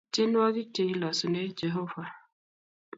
tienwogik che kilosune jehova